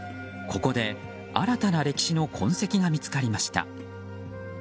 ここで新たな歴史の痕跡が見つかりました。